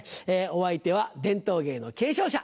お相手は伝統芸の継承者